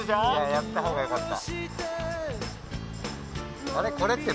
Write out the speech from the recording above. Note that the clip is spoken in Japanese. やったほうがよかった。